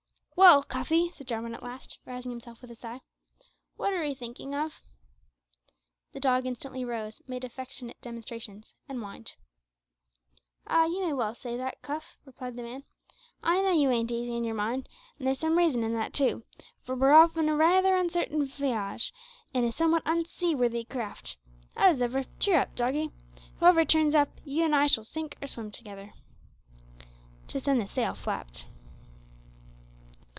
"Well, Cuffy," said Jarwin at last, rousing himself with a sigh, "wot are 'ee thinking of?" The dog instantly rose, made affectionate demonstrations, and whined. "Ah, you may well say that, Cuff," replied the man; "I know you ain't easy in yer mind, and there's some reason in that, too, for we're off on a raither uncertain viage, in a somewhat unseaworthy craft. Howsever, cheer up, doggie. Whoever turns up, you and I shall sink or swim together." Just then the sail flapped.